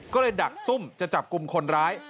ก็เลยดักซุ่มจะจับกลุ่มคนร้าย